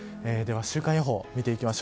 では週間予報です。